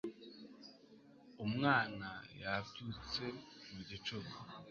Umwana yabyutse mu gicuku